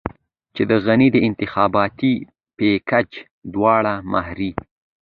چې د غني د انتخاباتي پېکج دواړې مهرې.